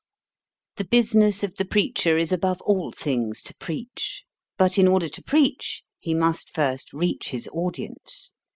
The business of the preacher is above all things to preach; but in order to preach, he must first reach his audience.